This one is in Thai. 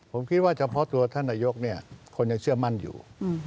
ผมคิดว่าเฉพาะตัวท่านนายกคนยังเชื่อมั่นอยู่